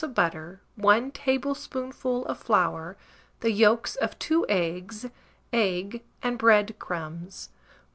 of butter, 1 tablespoonful of flour, the yolks of 2 eggs, egg and bread crumbs.